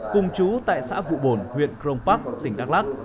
cùng chú tại xã vụ bồn huyện krong pak tỉnh đắk lắc